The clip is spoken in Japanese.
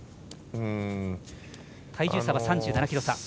体重差は３７ｋｇ差。